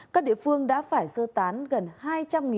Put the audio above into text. các địa phương đã phải sơ tán gần hai trăm linh người